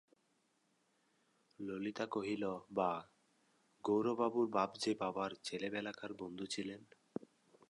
ললিতা কহিল, বাঃ, গৌরবাবুর বাপ যে বাবার ছেলেবেলাকার বন্ধু ছিলেন।